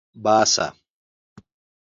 باسه